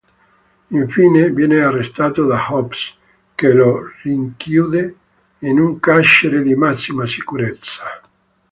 Infine, viene arrestato da Hobbs, che lo rinchiude in un carcere di massima sicurezza.